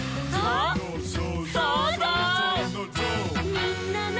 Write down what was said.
「みんなの」